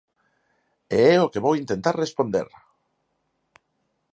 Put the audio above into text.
E é o que vou intentar responder.